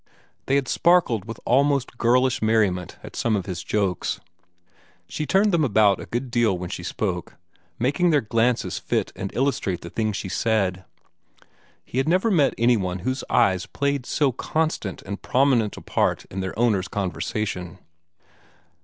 They had sparkled with almost girlish merriment at some of his jokes. She turned them about a good deal when she spoke, making their glances fit and illustrate the things she said. He had never met any one whose eyes played so constant and prominent a part in their owner's conversation.